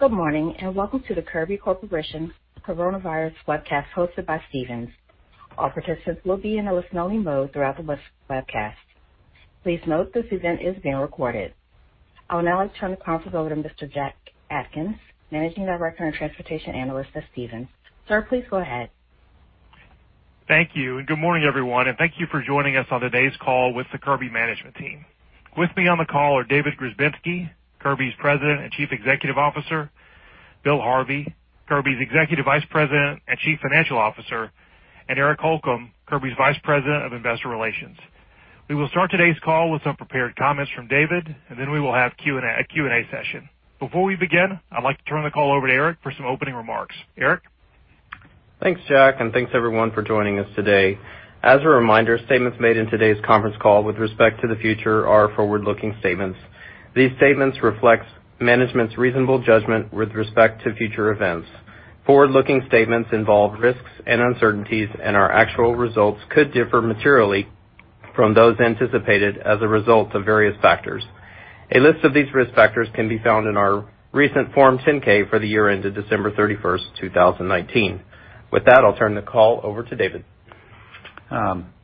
Good morning, and welcome to the Kirby Corporation Coronavirus webcast, hosted by Stephens. All participants will be in a listen-only mode throughout the webcast. Please note, this event is being recorded. I would now like to turn the conference over to Mr. Jack Atkins, Managing Director and Transportation Analyst at Stephens. Sir, please go ahead. Thank you, and good morning, everyone, and thank you for joining us on today's call with the Kirby management team. With me on the call are David Grzebinski, Kirby's President and Chief Executive Officer; Bill Harvey, Kirby's Executive Vice President and Chief Financial Officer; and Eric Holcomb, Kirby's Vice President of Investor Relations. We will start today's call with some prepared comments from David, and then we will have a Q&A session. Before we begin, I'd like to turn the call over to Eric for some opening remarks. Eric? Thanks, Jack, and thanks, everyone, for joining us today. As a reminder, statements made in today's conference call with respect to the future are forward-looking statements. These statements reflect management's reasonable judgment with respect to future events. Forward-looking statements involve risks and uncertainties, and our actual results could differ materially from those anticipated as a result of various factors. A list of these risk factors can be found in our recent Form 10-K for the year ended December 31st, 2019. With that, I'll turn the call over to David.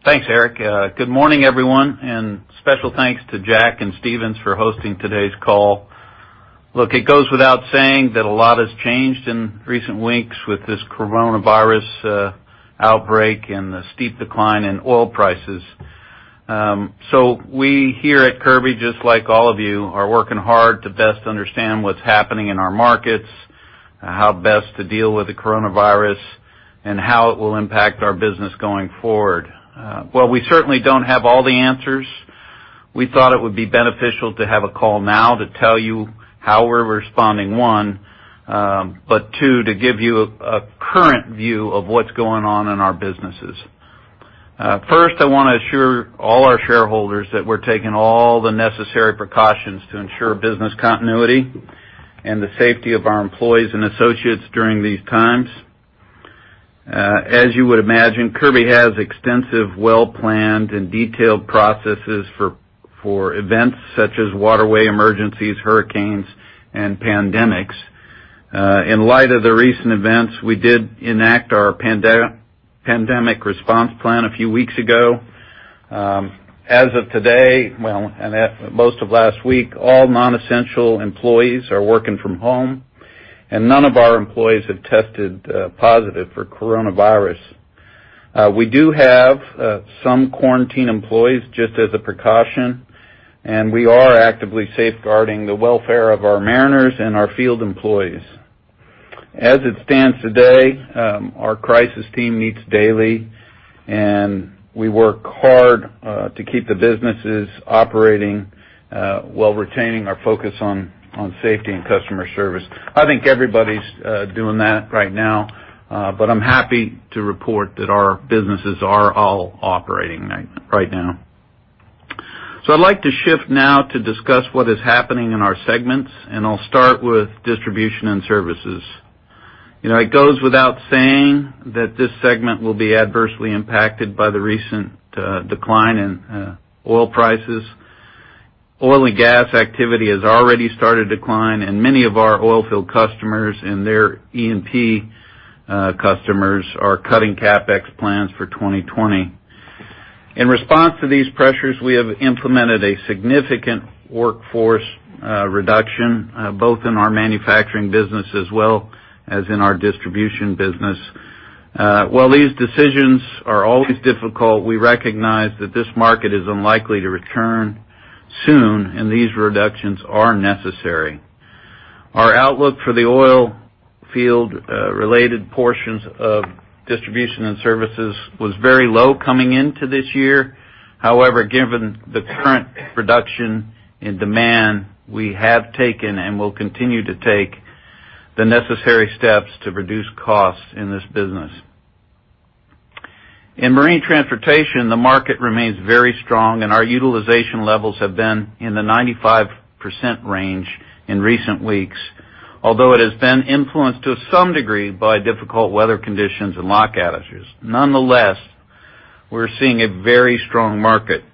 Thanks, Eric. Good morning, everyone, and special thanks to Jack and Stephens for hosting today's call. Look, it goes without saying that a lot has changed in recent weeks with this coronavirus outbreak and the steep decline in oil prices. So we here at Kirby, just like all of you, are working hard to best understand what's happening in our markets, how best to deal with the coronavirus, and how it will impact our business going forward. While we certainly don't have all the answers, we thought it would be beneficial to have a call now to tell you how we're responding, one, but two, to give you a current view of what's going on in our businesses. First, I wanna assure all our shareholders that we're taking all the necessary precautions to ensure business continuity and the safety of our employees and associates during these times. As you would imagine, Kirby has extensive, well-planned, and detailed processes for events such as waterway emergencies, hurricanes, and pandemics. In light of the recent events, we did enact our pandemic response plan a few weeks ago. As of today, well, and at most of last week, all non-essential employees are working from home, and none of our employees have tested positive for coronavirus. We do have some quarantined employees just as a precaution, and we are actively safeguarding the welfare of our mariners and our field employees. As it stands today, our crisis team meets daily, and we work hard to keep the businesses operating while retaining our focus on safety and customer service. I think everybody's doing that right now, but I'm happy to report that our businesses are all operating right now. So I'd like to shift now to discuss what is happening in our segments, and I'll start with distribution and services. You know, it goes without saying that this segment will be adversely impacted by the recent decline in oil prices. Oil and gas activity has already started to decline, and many of our oil field customers and their E&P customers are cutting CapEx plans for 2020. In response to these pressures, we have implemented a significant workforce reduction both in our manufacturing business as well as in our distribution business. While these decisions are always difficult, we recognize that this market is unlikely to return soon, and these reductions are necessary. Our outlook for the oil field related portions of distribution and services was very low coming into this year. However, given the current reduction in demand, we have taken and will continue to take the necessary steps to reduce costs in this business. In marine transportation, the market remains very strong, and our utilization levels have been in the 95% range in recent weeks, although it has been influenced to some degree by difficult weather conditions and lock outages. Nonetheless, we're seeing a very strong market.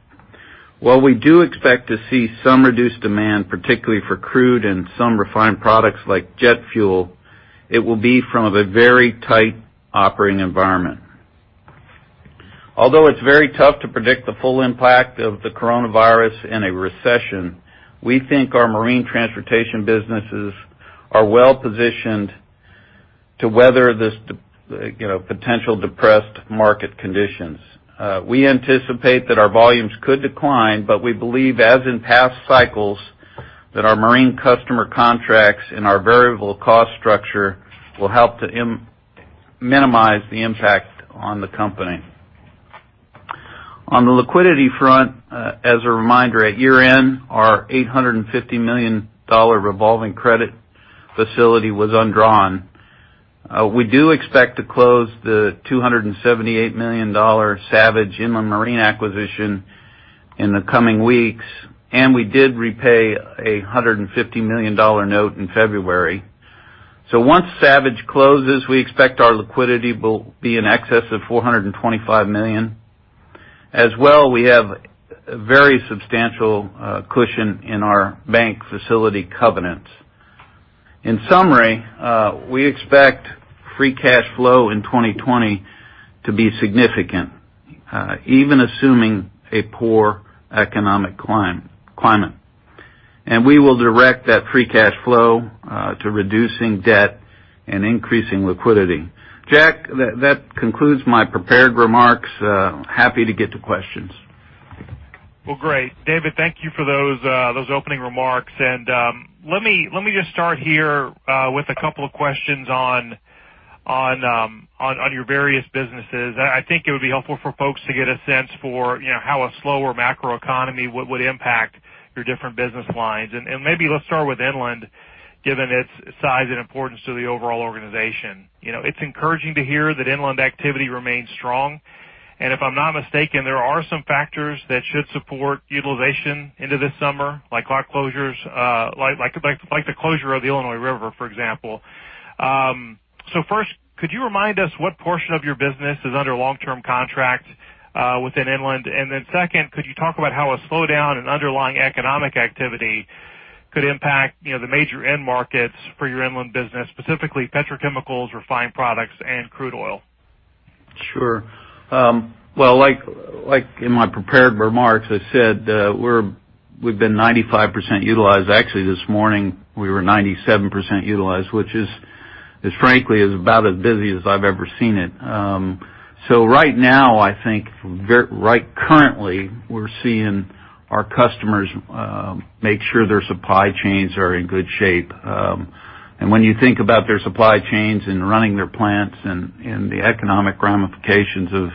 While we do expect to see some reduced demand, particularly for crude and some refined products like jet fuel, it will be from a very tight operating environment. Although it's very tough to predict the full impact of the coronavirus in a recession, we think our marine transportation businesses are well positioned to weather this you know, potential depressed market conditions. We anticipate that our volumes could decline, but we believe, as in past cycles, that our marine customer contracts and our variable cost structure will help to minimize the impact on the company. On the liquidity front, as a reminder, at year-end, our $850 million revolving credit facility was undrawn. We do expect to close the $278 million Savage Inland Marine acquisition in the coming weeks, and we did repay a $150 million note in February. So once Savage closes, we expect our liquidity will be in excess of $425 million. As well, we have a very substantial cushion in our bank facility covenants. In summary, we expect free cash flow in 2020 to be significant, even assuming a poor economic climate. And we will direct that free cash flow to reducing debt and increasing liquidity. Jack, that concludes my prepared remarks. Happy to get to questions. Well, great. David, thank you for those opening remarks. Let me just start here with a couple of questions on your various businesses. I think it would be helpful for folks to get a sense for, you know, how a slower macroeconomy would impact your different business lines. And maybe let's start with inland, given its size and importance to the overall organization. You know, it's encouraging to hear that inland activity remains strong, and if I'm not mistaken, there are some factors that should support utilization into this summer, like lock closures, like the closure of the Illinois River, for example. So first, could you remind us what portion of your business is under long-term contract within inland? And then second, could you talk about how a slowdown in underlying economic activity could impact, you know, the major end markets for your inland business, specifically petrochemicals, refined products, and crude oil? Sure. Well, like in my prepared remarks, I said, we've been 95% utilized. Actually, this morning, we were 97% utilized, which is frankly about as busy as I've ever seen it. So right now, I think right, currently, we're seeing our customers make sure their supply chains are in good shape. And when you think about their supply chains and running their plants and the economic ramifications of,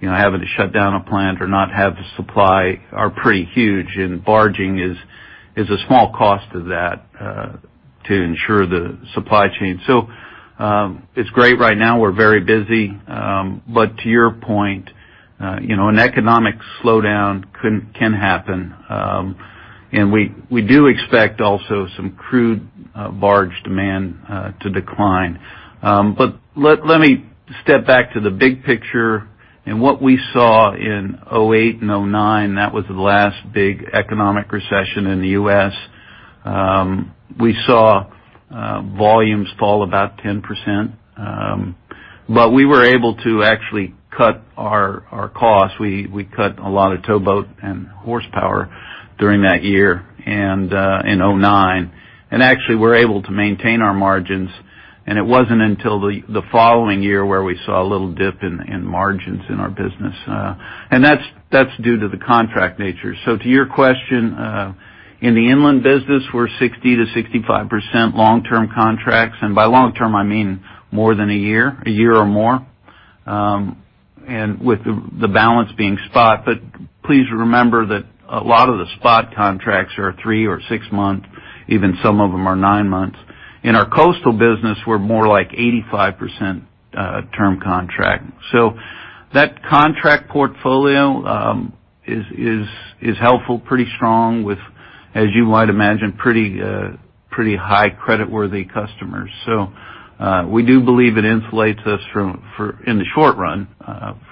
you know, having to shut down a plant or not have the supply are pretty huge, and barging is a small cost of that to ensure the supply chain. So it's great right now, we're very busy. But to your point, you know, an economic slowdown can happen, and we do expect also some crude barge demand to decline. But let me step back to the big picture. And what we saw in 2008 and 2009, that was the last big economic recession in the U.S. We saw volumes fall about 10%, but we were able to actually cut our costs. We cut a lot of towboat and horsepower during that year, and in 2009. Actually, we're able to maintain our margins, and it wasn't until the following year where we saw a little dip in margins in our business. And that's due to the contract nature. So to your question, in the inland business, we're 60%-65% long-term contracts, and by long-term, I mean more than a year, a year or more, and with the balance being spot. But please remember that a lot of the spot contracts are 3 or 6 months, even some of them are 9 months. In our coastal business, we're more like 85% term contract. So that contract portfolio is helpful, pretty strong with, as you might imagine, pretty high creditworthy customers. So we do believe it insulates us from... in the short run,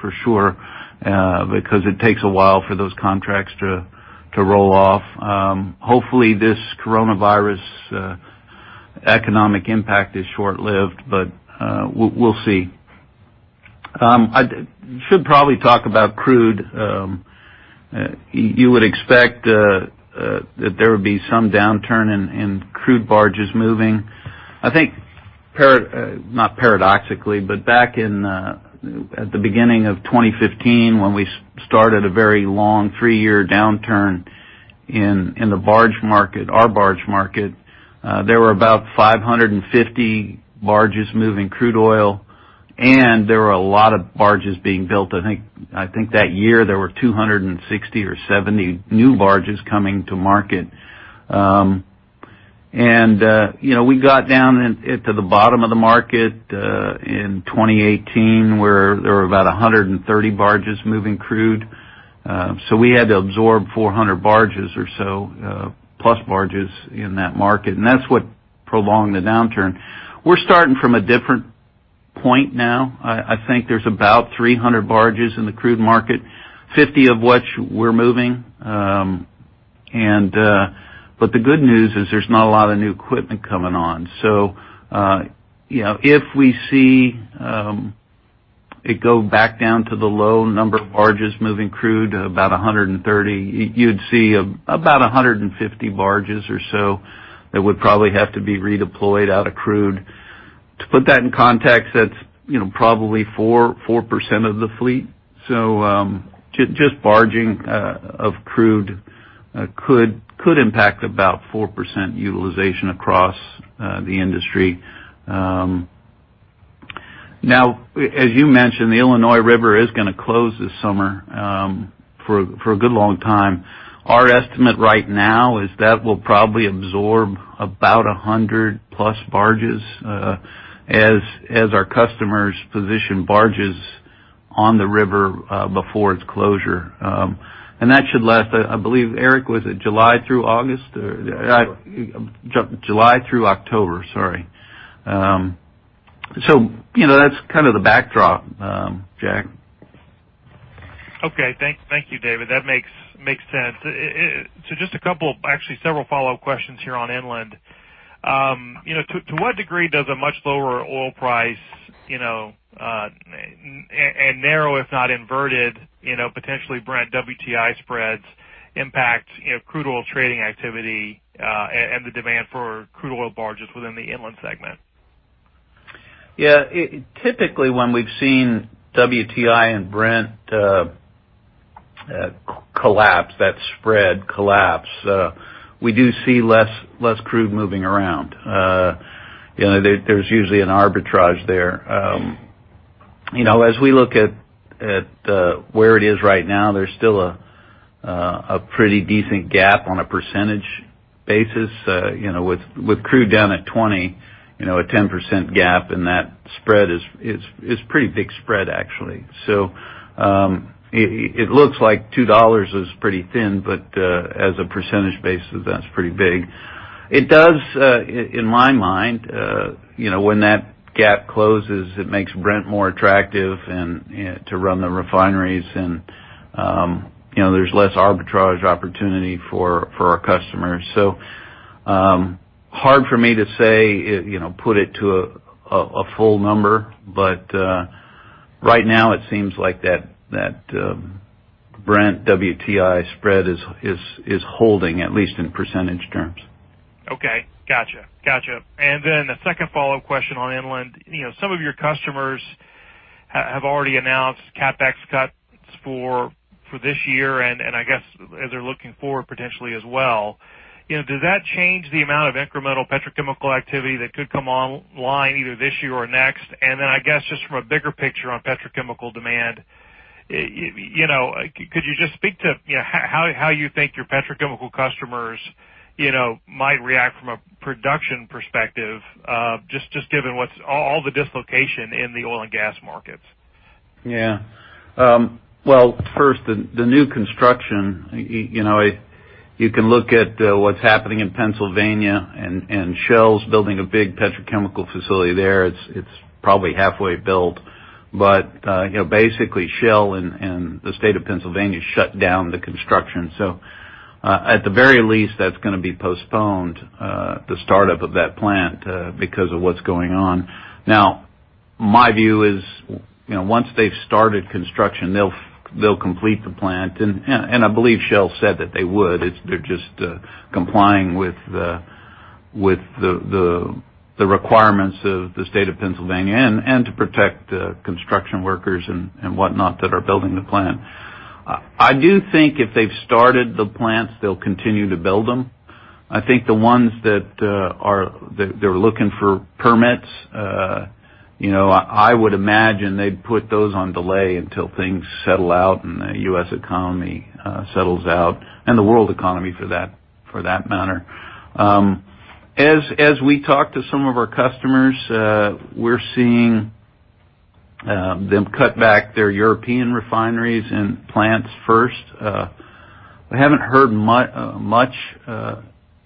for sure, because it takes a while for those contracts to roll off. Hopefully, this coronavirus economic impact is short-lived, but we'll see. I should probably talk about crude. You would expect that there would be some downturn in crude barges moving. I think, not paradoxically, but back in at the beginning of 2015, when we started a very long, three-year downturn in the barge market, our barge market, there were about 550 barges moving crude oil, and there were a lot of barges being built. I think, I think that year, there were 260 or 270 new barges coming to market. And, you know, we got down to the bottom of the market in 2018, where there were about 130 barges moving crude. So we had to absorb 400 barges or so, plus barges in that market, and that's what prolonged the downturn. We're starting from a different point now. I think there's about 300 barges in the crude market, 50 of which we're moving. But the good news is there's not a lot of new equipment coming on. So, you know, if we see it go back down to the low number of barges moving crude, about 130, you'd see about 150 barges or so that would probably have to be redeployed out of crude. To put that in context, that's, you know, probably 4% of the fleet. So, just barging of crude could impact about 4% utilization across the industry. Now, as you mentioned, the Illinois River is going to close this summer for a good long time. Our estimate right now is that we'll probably absorb about 100+ barges, as our customers position barges on the river, before its closure. And that should last, I believe, Eric, was it July through August, or…? July. July through October, sorry. So, you know, that's kind of the backdrop, Jack. Okay. Thank you, David. That makes sense. So just a couple, actually, several follow-up questions here on inland. You know, to what degree does a much lower oil price, you know, and narrow, if not inverted, you know, potentially Brent WTI spreads impact, you know, crude oil trading activity, and the demand for crude oil barges within the inland segment? Yeah, typically, when we've seen WTI and Brent collapse, that spread collapse, we do see less crude moving around. You know, there's usually an arbitrage there. You know, as we look at where it is right now, there's still a pretty decent gap on a percentage basis. You know, with crude down at $20, you know, a 10% gap in that spread is pretty big spread, actually. So, it looks like $2 is pretty thin, but as a percentage basis, that's pretty big. It does in my mind, you know, when that gap closes, it makes Brent more attractive and to run the refineries and you know, there's less arbitrage opportunity for our customers. Hard for me to say, you know, put it to a full number, but right now, it seems like that Brent WTI spread is holding, at least in percentage terms. Okay. Gotcha. Gotcha. And then the second follow-up question on inland. You know, some of your customers have already announced CapEx cuts for this year, and I guess as they're looking forward potentially as well. You know, does that change the amount of incremental petrochemical activity that could come online either this year or next? And then, I guess, just from a bigger picture on petrochemical demand, you know, could you just speak to how you think your petrochemical customers might react from a production perspective, just given what's all the dislocation in the oil and gas markets? Yeah. Well, first, the new construction, you know, you can look at what's happening in Pennsylvania, and Shell's building a big petrochemical facility there. It's probably halfway built, but, you know, basically Shell and the state of Pennsylvania shut down the construction. So, at the very least, that's gonna be postponed, the startup of that plant, because of what's going on. Now, my view is, you know, once they've started construction, they'll complete the plant, and I believe Shell said that they would. It's. They're just complying with the requirements of the state of Pennsylvania and to protect construction workers and whatnot that are building the plant. I do think if they've started the plants, they'll continue to build them. I think the ones that are looking for permits, you know, I would imagine they'd put those on delay until things settle out and the U.S. economy settles out, and the world economy for that, for that matter. As we talk to some of our customers, we're seeing them cut back their European refineries and plants first. I haven't heard much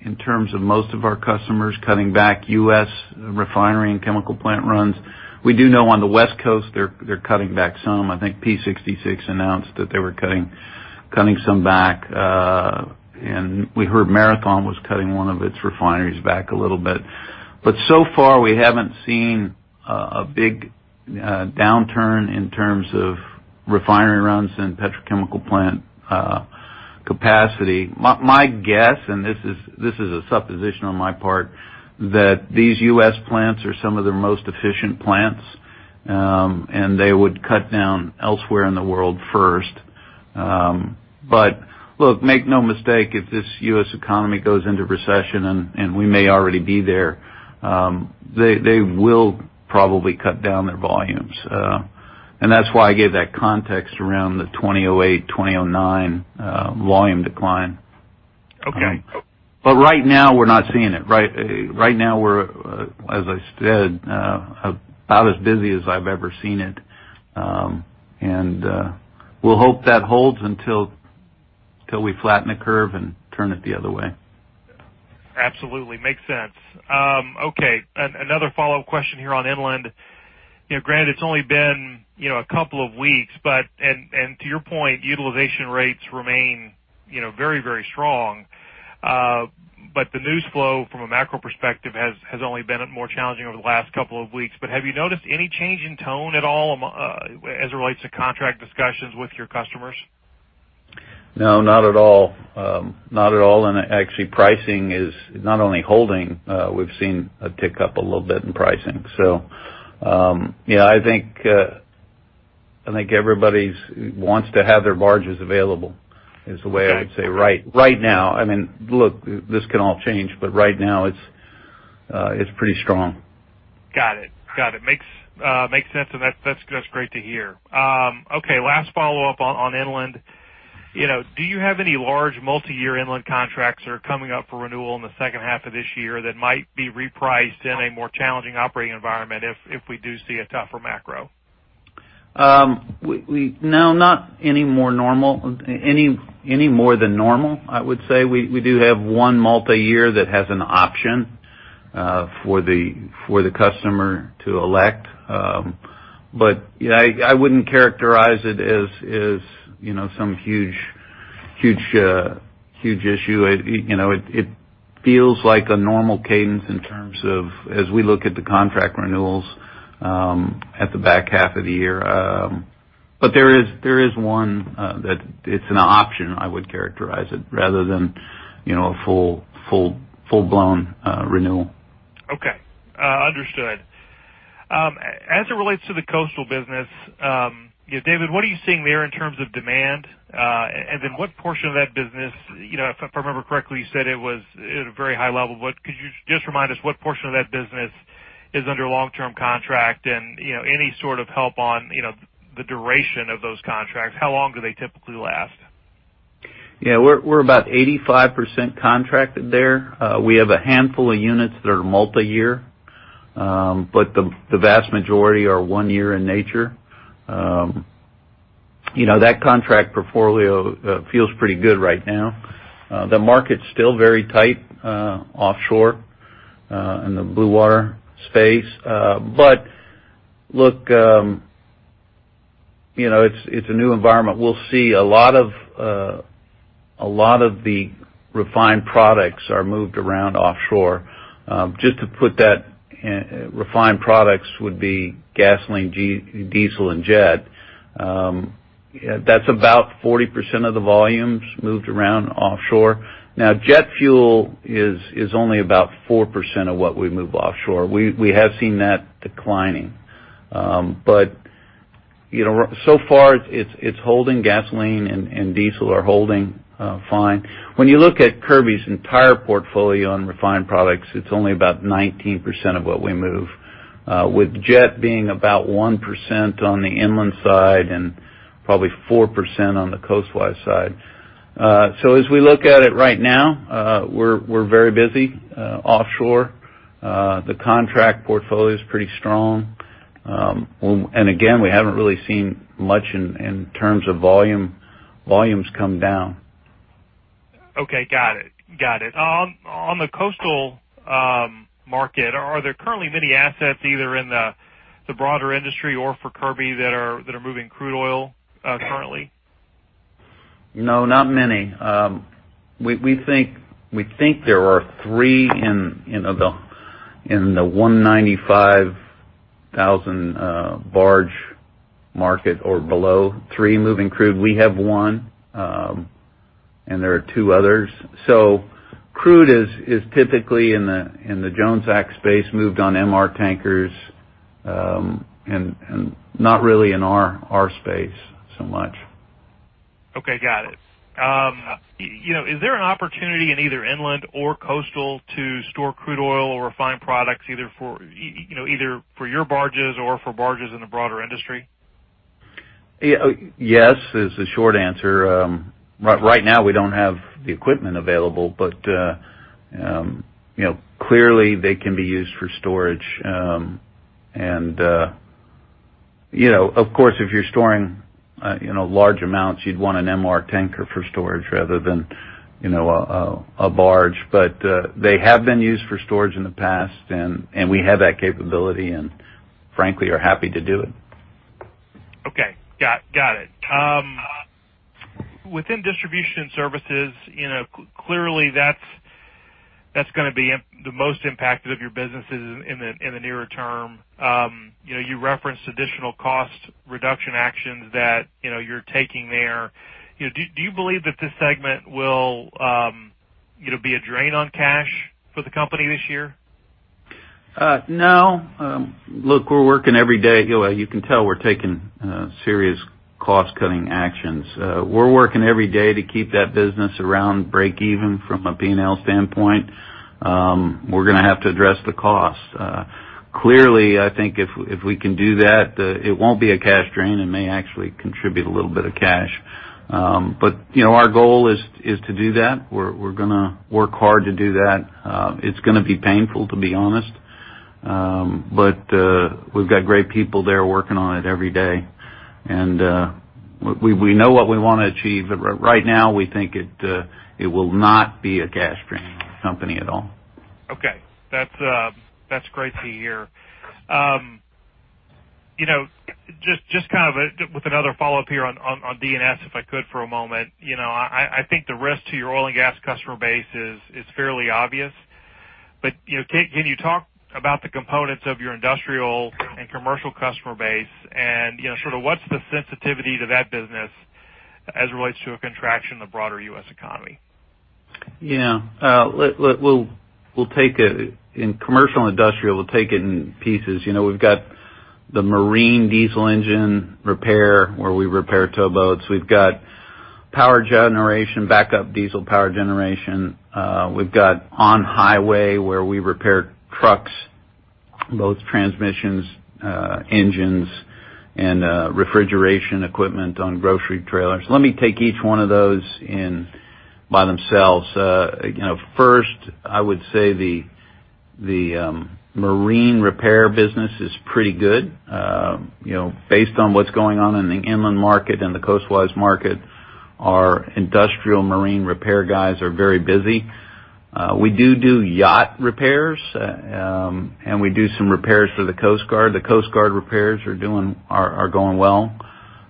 in terms of most of our customers cutting back U.S. refinery and chemical plant runs. We do know on the West Coast, they're cutting back some. I think P66 announced that they were cutting some back, and we heard Marathon was cutting one of its refineries back a little bit. But so far, we haven't seen a big downturn in terms of refinery runs and petrochemical plant capacity. My guess, and this is a supposition on my part, that these U.S. plants are some of the most efficient plants, and they would cut down elsewhere in the world first. But look, make no mistake, if this U.S. economy goes into recession, and we may already be there, they will probably cut down their volumes. And that's why I gave that context around the 2008, 2009 volume decline. Okay. But right now, we're not seeing it. Right now we're, as I said, about as busy as I've ever seen it. We'll hope that holds until till we flatten the curve and turn it the other way. Absolutely. Makes sense. Okay. Another follow-up question here on inland. You know, granted, it's only been, you know, a couple of weeks, but... And to your point, utilization rates remain, you know, very, very strong. But the news flow from a macro perspective has only been more challenging over the last couple of weeks. But have you noticed any change in tone at all, as it relates to contract discussions with your customers? No, not at all. Not at all, and actually pricing is not only holding, we've seen a tick up a little bit in pricing. So, yeah, I think, I think everybody's wants to have their barges available, is the way I would say- Got it. Right, right now. I mean, look, this can all change, but right now it's, it's pretty strong. Got it. Got it. Makes sense, and that's great to hear. Okay, last follow-up on inland. You know, do you have any large multi-year inland contracts that are coming up for renewal in the second half of this year that might be repriced in a more challenging operating environment if we do see a tougher macro? No, not any more normal than normal. I would say we do have one multi-year that has an option for the customer to elect. But you know, I wouldn't characterize it as you know, some huge issue. It you know, it feels like a normal cadence in terms of as we look at the contract renewals at the back half of the year. But there is one that it's an option, I would characterize it, rather than you know, a full-blown renewal. Okay, understood. As it relates to the coastal business, you know, David, what are you seeing there in terms of demand? And then what portion of that business, you know, if I remember correctly, you said it was at a very high level. Could you just remind us what portion of that business is under long-term contract? And, you know, any sort of help on, you know, the duration of those contracts, how long do they typically last? Yeah, we're about 85% contracted there. We have a handful of units that are multi-year, but the vast majority are one year in nature. You know, that contract portfolio feels pretty good right now. The market's still very tight offshore in the blue water space. But look, you know, it's a new environment. We'll see a lot of the refined products are moved around offshore. Just to put that, refined products would be gasoline, diesel, and jet. That's about 40% of the volumes moved around offshore. Now, jet fuel is only about 4% of what we move offshore. We have seen that declining. But you know, so far, it's holding. Gasoline and diesel are holding fine. When you look at Kirby's entire portfolio on refined products, it's only about 19% of what we move, with jet being about 1% on the inland side and probably 4% on the coastal side. So as we look at it right now, we're very busy offshore. The contract portfolio is pretty strong. And again, we haven't really seen much in terms of volume. Volumes come down. Okay, got it. Got it. On the coastal market, are there currently many assets, either in the broader industry or for Kirby, that are moving crude oil currently? No, not many. We think there are three in the 195,000 barge market or below three moving crude. We have one, and there are two others. So crude is typically in the Jones Act space, moved on MR tankers, and not really in our space so much. Okay, got it. You know, is there an opportunity in either inland or coastal to store crude oil or refined products, either for, you know, either for your barges or for barges in the broader industry? Yeah. Yes, is the short answer. Right now, we don't have the equipment available, but you know, clearly they can be used for storage. And you know, of course, if you're storing you know, large amounts, you'd want an MR tanker for storage rather than you know, a barge. But they have been used for storage in the past, and we have that capability, and frankly, are happy to do it. Okay. Got it. Within distribution services, you know, clearly, that's gonna be the most impacted of your businesses in the nearer term. You know, you referenced additional cost reduction actions that, you know, you're taking there. You know, do you believe that this segment will, you know, be a drain on cash for the company this year? No. Look, we're working every day. You know, you can tell we're taking serious cost-cutting actions. We're working every day to keep that business around break even from a P&L standpoint. We're gonna have to address the costs. Clearly, I think if we can do that, it won't be a cash drain and may actually contribute a little bit of cash. But, you know, our goal is to do that. We're gonna work hard to do that. It's gonna be painful, to be honest. But we've got great people there working on it every day, and we know what we want to achieve. Right now, we think it will not be a cash drain on the company at all. Okay. That's, that's great to hear. You know, just, just kind of, with another follow-up here on D&S, if I could, for a moment. You know, I think the risk to your oil and gas customer base is fairly obvious. But, you know, can you talk about the components of your industrial and commercial customer base? And, you know, sort of what's the sensitivity to that business as it relates to a contraction of broader U.S. economy? Yeah. We'll, we'll take it in commercial and industrial, we'll take it in pieces. You know, we've got the marine diesel engine repair, where we repair tow boats. We've got power generation, backup diesel power generation. We've got on-highway, where we repair trucks, both transmissions, engines, and refrigeration equipment on grocery trailers. Let me take each one of those in by themselves. You know, first, I would say the marine repair business is pretty good. You know, based on what's going on in the inland market and the coastwise market, our industrial marine repair guys are very busy. We do yacht repairs, and we do some repairs for the Coast Guard. The Coast Guard repairs are going well.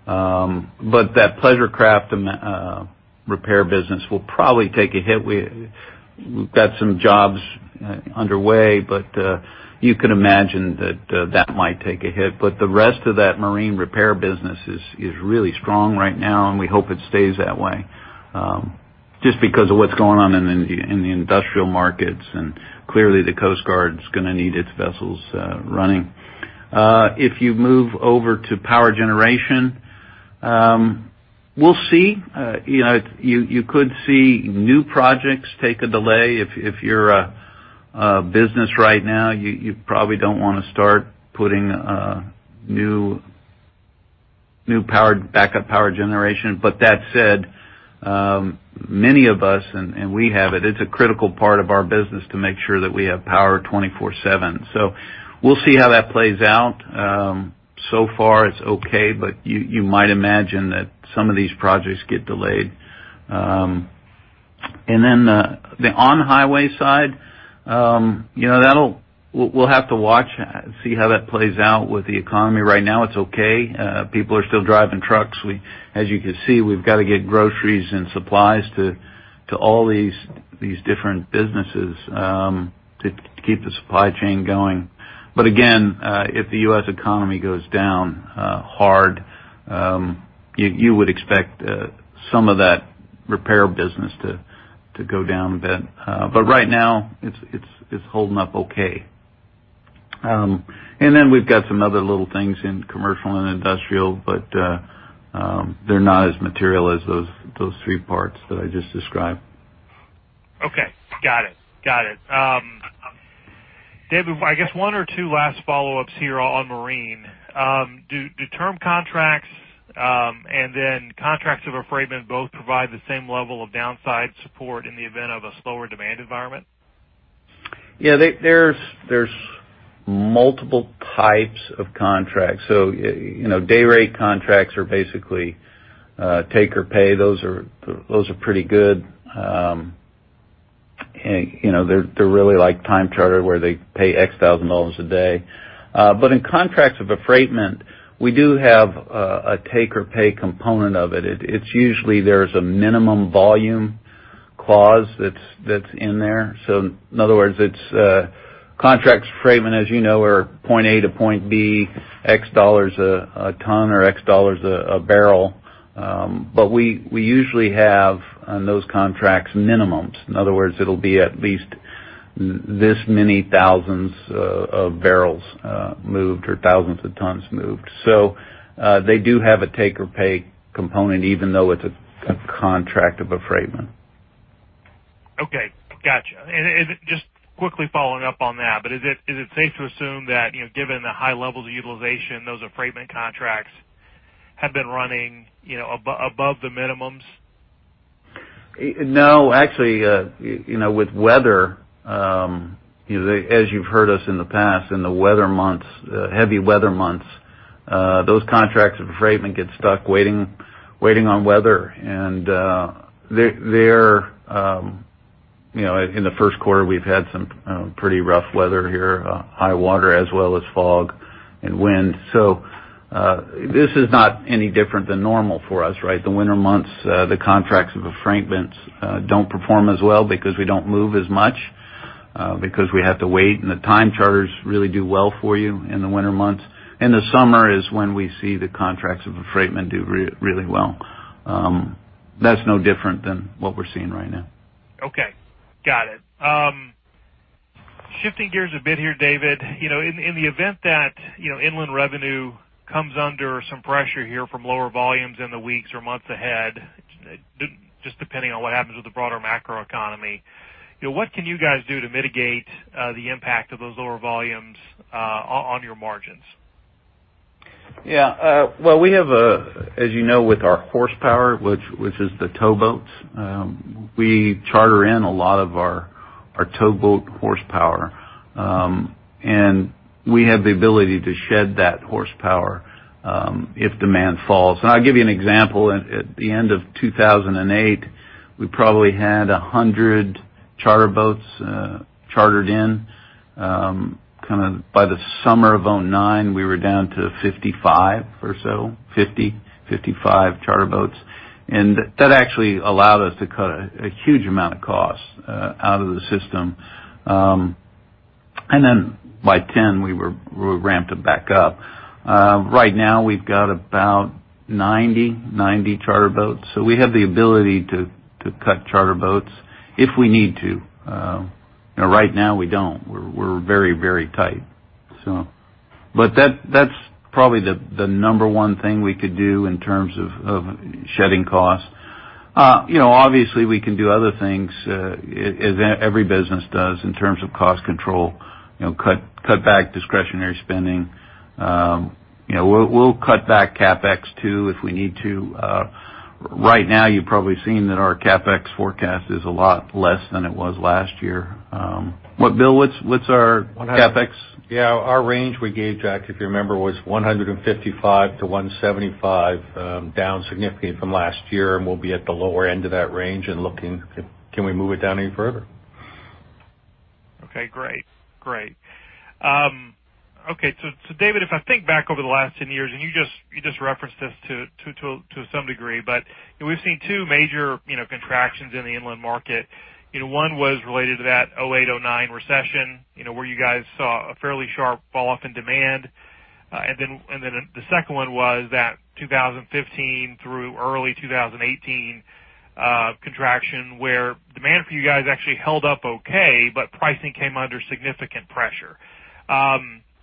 But that pleasure craft repair business will probably take a hit. We've got some jobs underway, but you can imagine that that might take a hit. But the rest of that marine repair business is really strong right now, and we hope it stays that way just because of what's going on in the industrial markets. And clearly, the Coast Guard's gonna need its vessels running. If you move over to power generation, we'll see. You know, you could see new projects take a delay. If you're a business right now, you probably don't wanna start putting new backup power generation. But that said, many of us, and we have it, it's a critical part of our business to make sure that we have power 24/7. So we'll see how that plays out. So far, it's okay, but you might imagine that some of these projects get delayed. And then, the on-highway side, you know, that'll, we'll have to watch, see how that plays out with the economy. Right now, it's okay. People are still driving trucks. We, as you can see, we've got to get groceries and supplies to all these different businesses, to keep the supply chain going. But again, if the U.S. economy goes down hard, you would expect some of that repair business to go down a bit. But right now, it's holding up okay. And then we've got some other little things in commercial and industrial, but they're not as material as those three parts that I just described. Okay. Got it. Got it. David, I guess one or two last follow-ups here on marine. Do term contracts and then contracts of affreightment both provide the same level of downside support in the event of a slower demand environment? Yeah, there are multiple types of contracts. So, you know, day rate contracts are basically take or pay. Those are pretty good. And, you know, they're really like time charter, where they pay $X thousand a day. But in contracts of affreightment, we do have a take or pay component of it. It's usually there's a minimum volume clause that's in there. So in other words, it's contracts of affreightment, as you know, are point A to point B, $X a ton or $X a barrel. But we usually have, on those contracts, minimums. In other words, it'll be at least this many thousands of barrels moved or thousands of tons moved. So, they do have a take or pay component, even though it's a contract of affreightment. Okay, gotcha. And is it just quickly following up on that, but is it safe to assume that, you know, given the high levels of utilization, those affreightment contracts have been running, you know, above the minimums? No, actually, you know, with weather, you know, as you've heard us in the past, in the weather months, heavy weather months, those contracts of affreightment get stuck waiting, waiting on weather. They're, you know, in the first quarter, we've had some pretty rough weather here, high water as well as fog and wind. So, this is not any different than normal for us, right? The winter months, the contracts of affreightments don't perform as well because we don't move as much because we have to wait, and the time charters really do well for you in the winter months. In the summer is when we see the contracts of affreightment do really well. That's no different than what we're seeing right now. Okay. Got it. Shifting gears a bit here, David. You know, in, in the event that, you know, inland revenue comes under some pressure here from lower volumes in the weeks or months ahead, just depending on what happens with the broader macroeconomy, you know, what can you guys do to mitigate the impact of those lower volumes on, on your margins? Yeah, well, we have, as you know, with our horsepower, which is the towboats, we charter in a lot of our towboat horsepower. And we have the ability to shed that horsepower if demand falls. And I'll give you an example. At the end of 2008, we probably had 100 charter boats chartered in. Kind of by the summer of 2009, we were down to 55 or so, 55 charter boats. And that actually allowed us to cut a huge amount of costs out of the system. And then by 2010, we ramped it back up. Right now, we've got about 90 charter boats. So we have the ability to cut charter boats if we need to. You know, right now, we don't. We're very tight, so... But that's probably the number one thing we could do in terms of shedding costs. You know, obviously, we can do other things, as every business does in terms of cost control. You know, cut back discretionary spending... You know, we'll cut back CapEx too, if we need to. Right now, you've probably seen that our CapEx forecast is a lot less than it was last year. What-- Bill, what's our CapEx? Yeah, our range we gave, Jack, if you remember, was 155-175, down significantly from last year, and we'll be at the lower end of that range and looking, can we move it down any further? Okay, great. Great. Okay, so David, if I think back over the last 10 years, and you just referenced this to some degree, but we've seen 2 major, you know, contractions in the inland market. You know, one was related to that 2008, 2009 recession, you know, where you guys saw a fairly sharp falloff in demand. And then the second one was that 2015 through early 2018 contraction, where demand for you guys actually held up okay, but pricing came under significant pressure.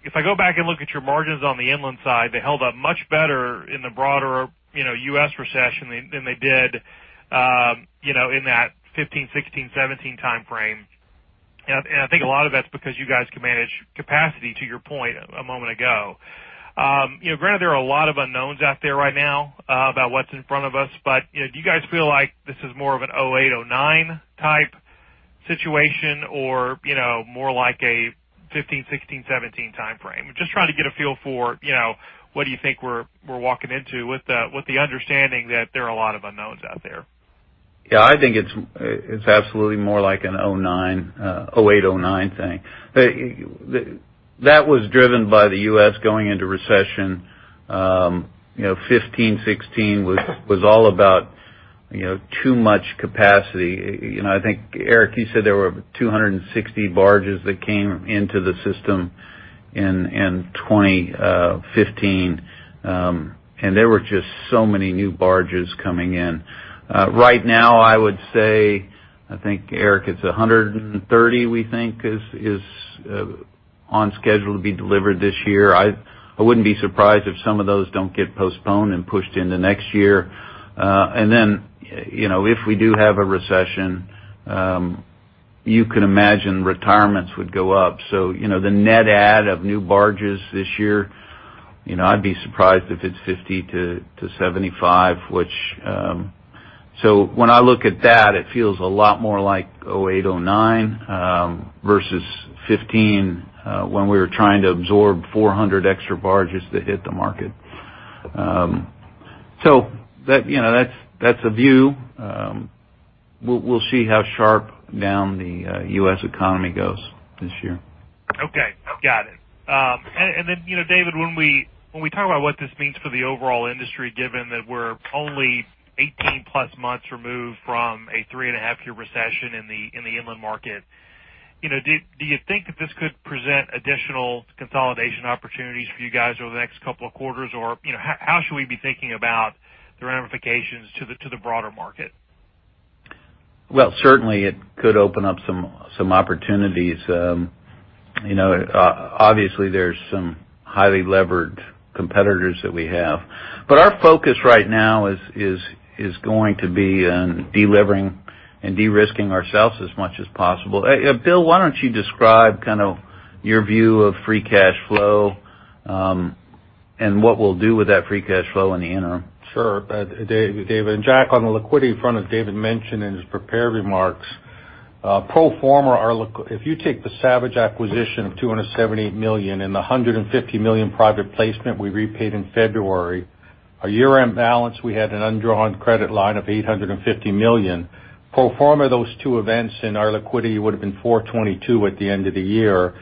If I go back and look at your margins on the inland side, they held up much better in the broader, you know, U.S. recession than they did, you know, in that 15, 16, 17 timeframe. I think a lot of that's because you guys can manage capacity to your point a moment ago. You know, granted, there are a lot of unknowns out there right now about what's in front of us, but, you know, do you guys feel like this is more of a 2008, 2009 type situation or, you know, more like a 15, 16, 17 timeframe? Just trying to get a feel for, you know, what do you think we're walking into with the, with the understanding that there are a lot of unknowns out there. Yeah, I think it's, it's absolutely more like a 2009, 2008, 2009 thing. That was driven by the U.S. going into recession. You know, 15, 16 was all about, you know, too much capacity. You know, I think, Eric, you said there were 260 barges that came into the system in 2015, and there were just so many new barges coming in. Right now, I would say, I think, Eric, it's 130, we think is on schedule to be delivered this year. I wouldn't be surprised if some of those don't get postponed and pushed into next year. And then, you know, if we do have a recession, you can imagine retirements would go up. So, you know, the net add of new barges this year, you know, I'd be surprised if it's 50-75, which. So when I look at that, it feels a lot more like 2008, 2009, versus 2015, when we were trying to absorb 400 extra barges that hit the market. So that, you know, that's a view. We'll see how sharp down the U.S. economy goes this year. Okay, got it. And then, you know, David, when we talk about what this means for the overall industry, given that we're only 18+ months removed from a 3.5-year recession in the inland market, you know, do you think that this could present additional consolidation opportunities for you guys over the next couple of quarters? Or, you know, how should we be thinking about the ramifications to the broader market? Well, certainly, it could open up some opportunities. You know, obviously, there's some highly levered competitors that we have. But our focus right now is going to be on delivering and de-risking ourselves as much as possible. Bill, why don't you describe kind of your view of free cash flow, and what we'll do with that free cash flow in the interim? Sure, David. Jack, on the liquidity front, as David mentioned in his prepared remarks, pro forma, our liquidity if you take the Savage acquisition of $278 million and the $150 million private placement we repaid in February, our year-end balance, we had an undrawn credit line of $850 million. Pro forma, those two events in our liquidity would have been $422 million at the end of the year.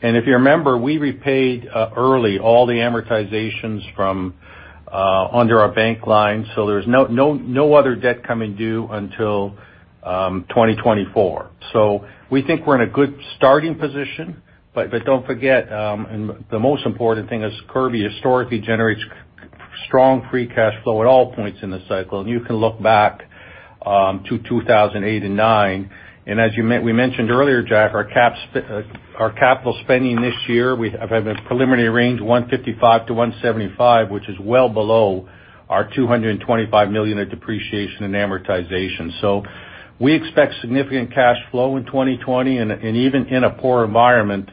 And if you remember, we repaid early all the amortizations from under our bank line, so there's no other debt coming due until 2024. So we think we're in a good starting position, but don't forget, and the most important thing is Kirby historically generates strong free cash flow at all points in the cycle. You can look back to 2008 and 2009. And as we mentioned earlier, Jack, our capital spending this year, we have a preliminary range, $155 million-$175 million, which is well below our $225 million of depreciation and amortization. So we expect significant cash flow in 2020, and even in a poor environment,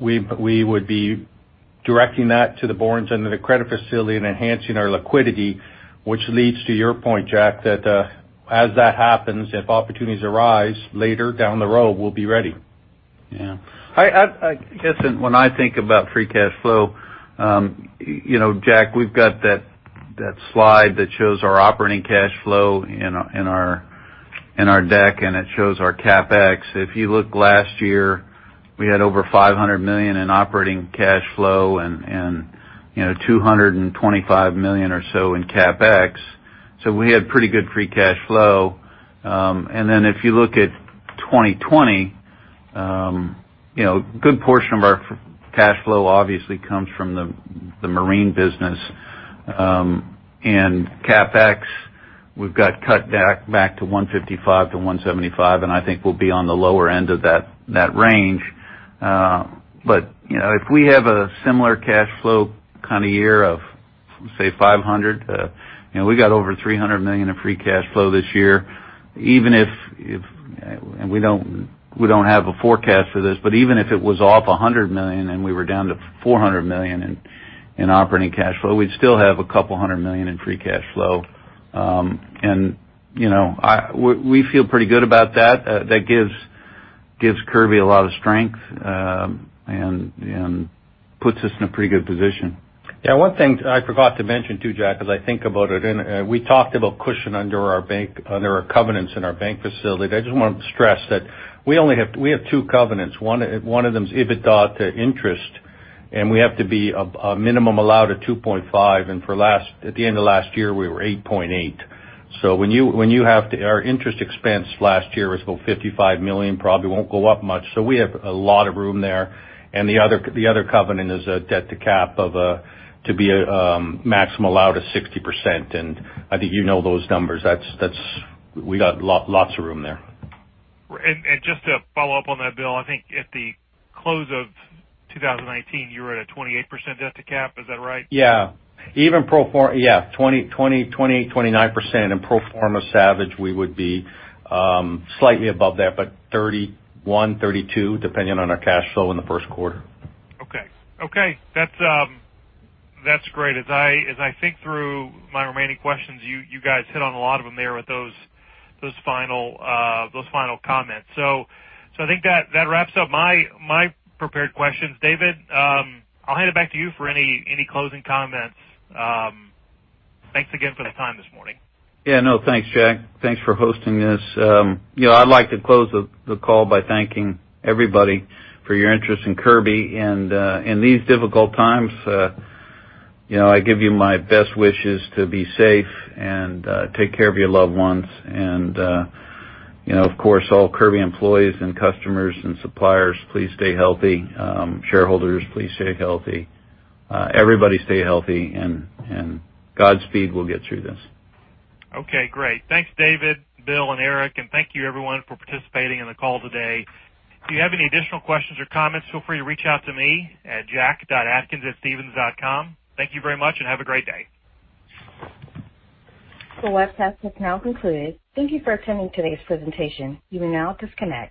we would be directing that to the boards under the credit facility and enhancing our liquidity, which leads to your point, Jack, that as that happens, if opportunities arise later down the road, we'll be ready. Yeah. I guess when I think about free cash flow, you know, Jack, we've got that slide that shows our operating cash flow in our deck, and it shows our CapEx. If you look last year, we had over $500 million in operating cash flow and, you know, $225 million or so in CapEx. So we had pretty good free cash flow. And then if you look at 2020, you know, a good portion of our free cash flow obviously comes from the marine business. And CapEx, we've got cut back to $155 million-$175 million, and I think we'll be on the lower end of that range. But, you know, if we have a similar cash flow kind of year of... Say $500, you know, we got over $300 million in free cash flow this year. Even if, and we don't have a forecast for this, but even if it was off $100 million and we were down to $400 million in operating cash flow, we'd still have a couple hundred million in free cash flow. And, you know, we feel pretty good about that. That gives Kirby a lot of strength, and puts us in a pretty good position. Yeah, one thing I forgot to mention, too, Jack, as I think about it, and we talked about cushion under our bank, under our covenants in our bank facility. I just want to stress that we only have—we have two covenants. One, one of them is EBITDA to interest, and we have to be a minimum allowed of 2.5, and at the end of last year, we were 8.8. So when you, when you have to... Our interest expense last year was about $55 million, probably won't go up much, so we have a lot of room there. And the other, the other covenant is a debt to cap of, to be a maximum allowed of 60%, and I think you know those numbers. That's, we got lots of room there. Just to follow up on that, Bill, I think at the close of 2019, you were at a 28% debt to cap. Is that right? Yeah. Even pro forma... Yeah, 20, 20, 28, 29% in pro forma Savage, we would be slightly above that, but 31, 32, depending on our cash flow in the first quarter. Okay. Okay, that's great. As I think through my remaining questions, you guys hit on a lot of them there with those final comments. So I think that wraps up my prepared questions. David, I'll hand it back to you for any closing comments. Thanks again for the time this morning. Yeah, no, thanks, Jack. Thanks for hosting this. You know, I'd like to close the call by thanking everybody for your interest in Kirby. And in these difficult times, you know, I give you my best wishes to be safe and take care of your loved ones. And you know, of course, all Kirby employees and customers and suppliers, please stay healthy. Shareholders, please stay healthy. Everybody, stay healthy, and Godspeed, we'll get through this. Okay, great. Thanks, David, Bill, and Eric, and thank you everyone for participating in the call today. If you have any additional questions or comments, feel free to reach out to me at jack.atkins@stephens.com. Thank you very much, and have a great day The webcast has now concluded. Thank you for attending today's presentation. You may now disconnect.